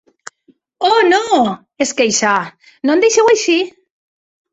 Oh, no! —es queixà— No em deixeu així!